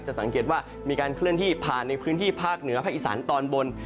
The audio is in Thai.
สังเกตว่ามีการเคลื่อนที่ผ่านในพื้นที่ภาคเหนือภาคอีสานตอนบน